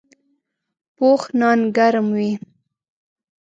پوخ نان ګرم وي